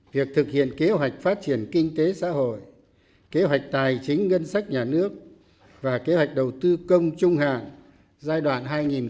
việc thực hiện kế hoạch phát triển kinh tế xã hội kế hoạch tài chính ngân sách nhà nước và kế hoạch đầu tư công trung hạn giai đoạn hai nghìn hai mươi một hai nghìn hai mươi